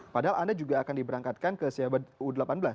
padahal anda juga akan diberangkatkan ke siapa u delapan belas